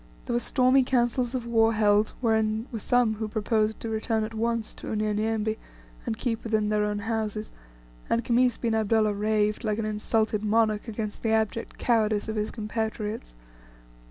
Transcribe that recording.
There were stormy councils of war held, wherein were some who proposed to return at once to Unyanyembe, and keep within their own houses; and Khamis bin Abdullah raved, like an insulted monarch, against the abject cowardice of his compatriots.